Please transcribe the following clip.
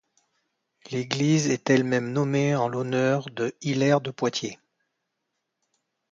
L'église est elle-même nommée en l'honneur de Hilaire de Poitiers.